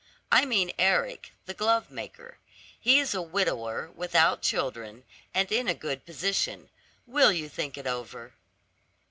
I mean Eric, the glovemaker. He is a widower, without children, and in a good position. Will you think it over?'